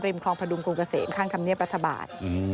คลองพระดุงกรุงเกษมข้างธรรมเนียบรัฐบาล